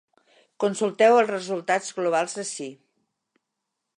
Consulteu els resultats globals ací.